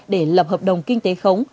để lập hợp đồng kinh tế khống